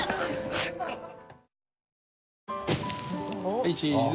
はいチズ。